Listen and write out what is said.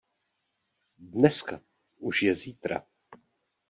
Dneska už je zítra.